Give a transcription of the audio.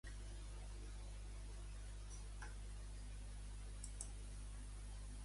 En quin altre camp sobresurt Baena?